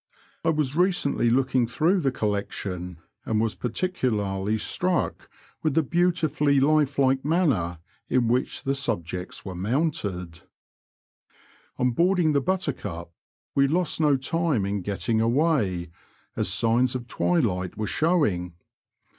I was recently looking through the collection, and was particularly struck with the beautifully lifelike manner in which the sub jects were mounted. Digitized by VjOOQIC WBOXHAM TO BABTON AND AGLE. 188 On boarding the Buttercup we lost no time in getting away, as signs of twilight were showing.